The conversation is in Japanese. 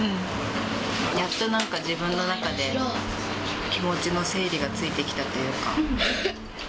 やっとなんか自分の中で気持ちの整理がついてきたというか。